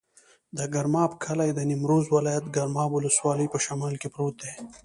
د ګرماب کلی د نیمروز ولایت، ګرماب ولسوالي په شمال کې پروت دی.